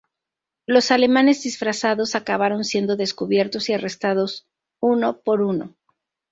Los alemanes disfrazados acabaron siendo descubiertos y arrestados uno por uno.